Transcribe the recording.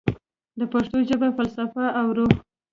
د پښتو ژبې فلسفه او روح